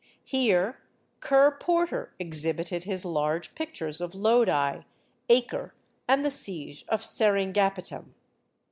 Here Ker Porter exhibited his large pictures of Lodi, Acre, and the siege of Seringapatam.